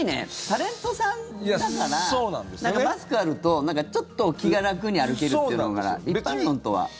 タレントさんだからマスクあるとちょっと気が楽に歩けるというのがあるから一般論とは。